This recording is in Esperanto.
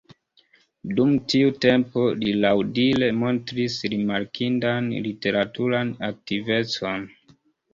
Dum tiu tempo li laŭdire montris rimarkindan literaturan aktivecon.